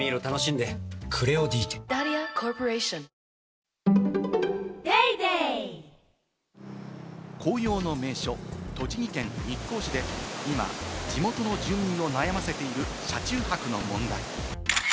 大空あおげ紅葉の名所・栃木県日光市で今、地元の住民を悩ませている車中泊の問題。